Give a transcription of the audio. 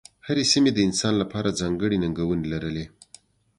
هرې سیمې د انسان لپاره ځانګړې ننګونې لرلې.